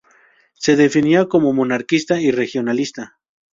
Se definía como monarquista y regionalista.